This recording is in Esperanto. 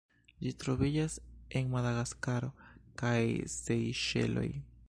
Ĝi troviĝas en Madagaskaro kaj Sejŝeloj.